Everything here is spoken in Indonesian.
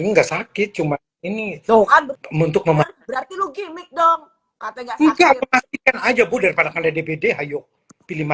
iya sih nggak sakit cuma ini untuk nomor berarti lu gimik dong aja bu daripada dpd hayo pilih mana